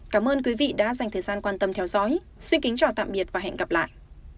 cảm ơn quý vị đã dành thời gian quan tâm theo dõi xin kính chào tạm biệt và hẹn gặp lại